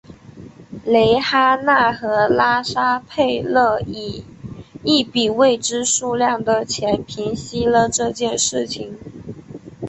蕾哈娜和拉沙佩勒以一笔未知数量的钱平息了这件事情。